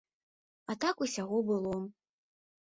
А так усяго было.